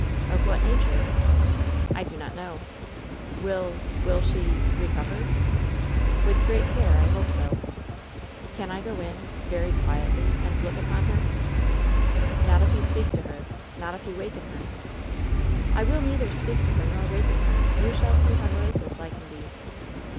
"Of what nature?" "I do not know." "Will — will she — recover?" "With great care, I hope so." "Can I go in — ^very quietly — and look upon her?" "Not if you speak to her. Not if you waken her." "I will neither speak to her nor waken her. You shall see how noiseless I can be."